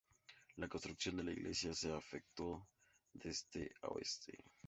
La construcción de la iglesia se efectuó de este a oeste.